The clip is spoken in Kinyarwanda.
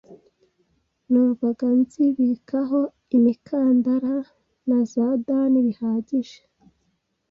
numvaga nzibikaho imikandara na za dani bihagije ,